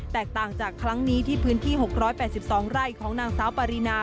แตกต่างจากครั้งนี้ที่พื้นที่๖๘๒ไร่ของนางสาวปารีนา